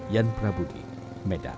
yan prabudi medan